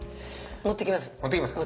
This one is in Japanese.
持っていきますか。